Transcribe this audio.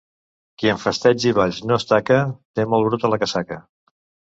Qui en festeigs i balls no es taca, té molt bruta la casaca.